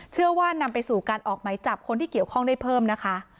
เชื่อว่านำไปสู่การออกไหมจับคนที่เกี่ยวข้องได้เพิ่มนะคะ